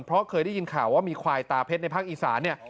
เพราะเคยได้ยินข่าวว่ามีควายตาเพชรในภาคอีสานเนี่ย